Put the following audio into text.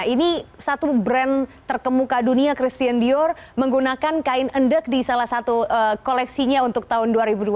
ini satu brand terkemuka dunia christian dior menggunakan kain endek di salah satu koleksinya untuk tahun dua ribu dua puluh